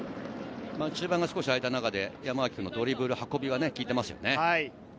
中盤が少し開いた中で、山脇君のドリブルの運びが効いてますよね。